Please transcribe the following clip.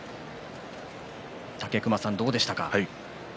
武隈さん、どうでしたか。